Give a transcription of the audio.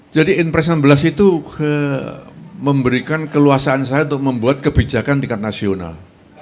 jadi impresen enam belas itu memberikan keluasaan saya untuk membuat kebijakan tingkat nasional